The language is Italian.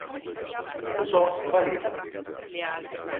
Sposò varie mogli.